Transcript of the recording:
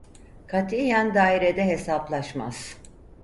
Katiyen dairede hesaplaşmaz.